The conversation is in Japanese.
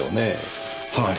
はい。